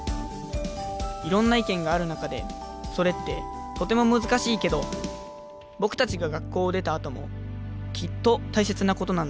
いろんな意見がある中でそれってとても難しいけど僕たちが学校を出たあともきっと大切なことなんだ